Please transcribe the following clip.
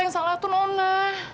yang salah tuh nona